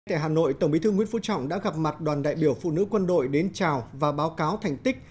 tại hà nội tổng bí thư nguyễn phú trọng đã gặp mặt đoàn đại biểu phụ nữ quân đội đến chào và báo cáo thành tích